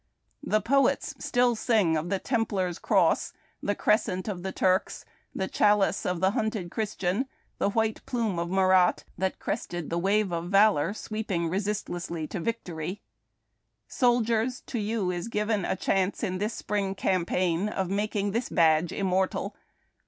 The poets still sing of the " Templar's Cross," the " Cres cent " of the Turks, the "Chalice" of the hunted Christian, and the "White Plume" of Murat, that crested the wave of valor sweeping resist lessly to victory. Soldiers! to you is given a chance in this Spring Campaign of making this badge immortal.